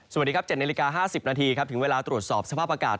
สวัสดีครับ๗นาฬิกา๕๐นาทีครับถึงเวลาตรวจสอบสภาพอากาศ